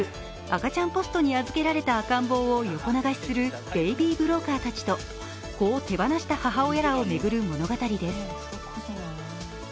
赤ちゃんポストに預けられた赤ん坊を横流しするベイビー・ブローカーたちと子を手放した母親らを巡る物語です。